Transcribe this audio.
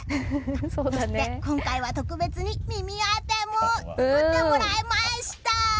そして今回は特別に耳当ても作ってもらいました！